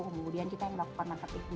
kemudian kita yang melakukan market itu